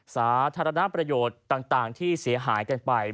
สาธารณประโยชน์ต่างที่เสียหายกันไป